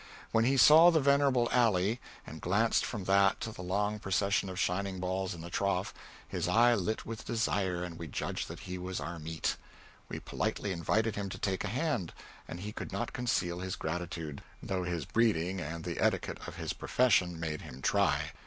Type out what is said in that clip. When he saw the venerable alley, and glanced from that to the long procession of shining balls in the trough, his eye lit with desire, and we judged that he was our meat. We politely invited him to take a hand, and he could not conceal his gratitude; though his breeding, and the etiquette of his profession, made him try.